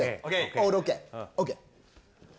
オールＯＫ？ＯＫ。